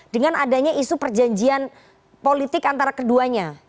dengan adanya isu perjanjian politik antara keduanya